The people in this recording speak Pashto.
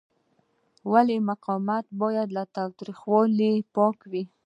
ولې مقاومت باید له تاوتریخوالي پاک وي؟